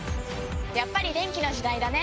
やっぱり電気の時代だね！